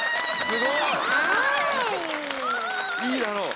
すごい。いいだろう。